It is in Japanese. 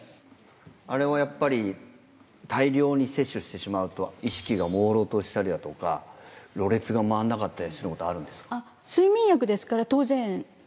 あれをやっぱり大量に摂取してしまうと意識が朦朧としたりだとかろれつが回んなかったりすることあるんですか？